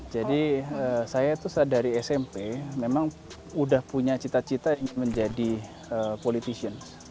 jadi saya itu dari smp memang udah punya cita cita ingin menjadi politikus